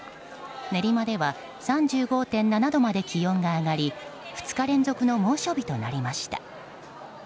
練馬では３５．７度まで気温が上がり２日連続の猛暑日となりました。